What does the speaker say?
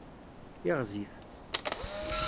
Iɣzif.